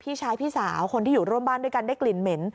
พี่ชายพี่สาวคนที่อยู่ร่วมบ้านด้วยกันได้กลิ่นเหม็น